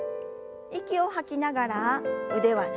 息を吐きながら腕は斜め下。